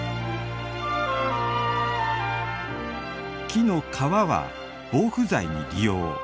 木の皮は、防腐剤に利用。